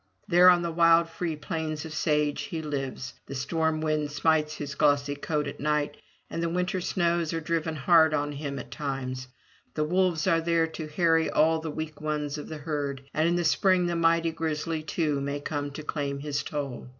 There on the wild free plains of sage he lives: the stormwind smites his glossy coat at night and the winter snows are driven hard on him at times; the wolves are there to harry all the weak ones of the herd, and in the spring the mighty Grizzly, too, may come to claim his toll.